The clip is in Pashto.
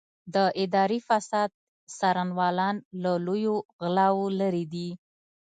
د اداري فساد څارنوالان له لویو غلاوو لېرې دي.